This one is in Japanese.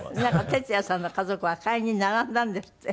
ＴＥＴＳＵＹＡさんの家族は買いに並んだんですって？